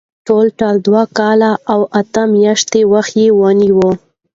ټولټال دوه کاله او اته میاشتې وخت ونیو.